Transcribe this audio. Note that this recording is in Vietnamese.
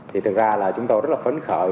thì thực ra là chúng tôi rất là phấn khởi